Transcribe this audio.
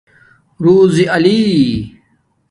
رُزی علی